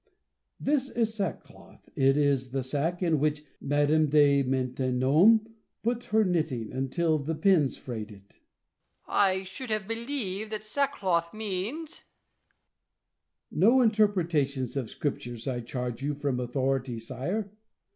La Chaise. This is sackcloth. It is the sack in which Madame de Maintenon put her knitting, until the pins frayed it. Louis. I should have believed that sackcloth means • La Chaise. No interpretations of Scripture, I charge you from authority, sire.